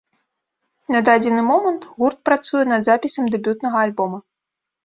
На дадзены момант гурт працуе над запісам дэбютнага альбома.